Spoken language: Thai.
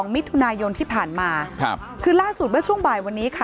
๑๒มิตรทุนายนที่ผ่านมาคือล่าสุดเวลาช่วงบ่ายวันนี้ค่ะ